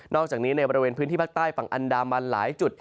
อกจากนี้ในบริเวณพื้นที่ภาคใต้ฝั่งอันดามันหลายจุด